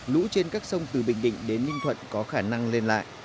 lũ trên các sông từ bình định đến ninh thuận có khả năng lên lại